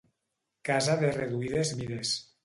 Casa de reduïdes mides.